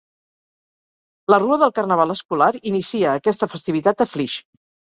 La rua del Carnaval Escolar inicia aquesta festivitat a Flix.